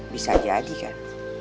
bisa jadi kan